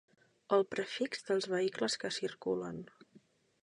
El prefix dels vehicles que circulen.